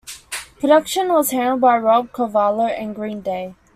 Production was handled by Rob Cavallo and Green Day.